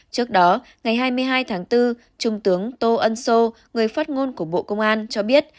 trước đó ngày hai mươi hai tháng bốn trung tướng tô ân sô người phát ngôn của bộ công an cho biết